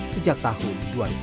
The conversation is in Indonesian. sejak tahun dua ribu tujuh belas